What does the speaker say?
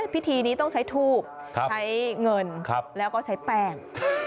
พิธีนี้ต้องใช้ทูบใช้เงินแล้วก็ใช้แป้ง